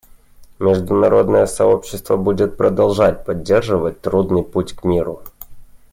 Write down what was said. Международное сообщество будет продолжать поддерживать трудный путь к миру.